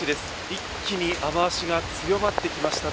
一気に雨足が強まってきました。